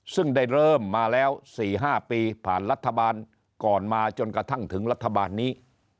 ซึ่งได้เริ่มมาแล้ว๔๕ปีผ่านรัฐบาลก่อนมาจนกระทั่งถึงรัฐบาลนี้